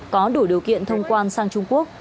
có đủ điều kiện thông quan sang trung quốc